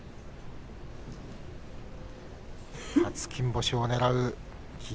初金星をねらう霧